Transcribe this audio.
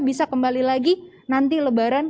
bisa kembali lagi nanti lebaran